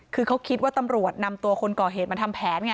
คือเขาคิดว่าตำรวจนำตัวคนก่อเหตุมาทำแผนไง